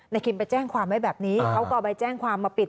คิมไปแจ้งความไว้แบบนี้เขาก็เอาใบแจ้งความมาปิด